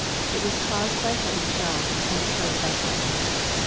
It was caused by a heavy shell, and destroyed the vessel.